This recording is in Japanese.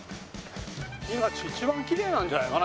今一番きれいなんじゃないかな？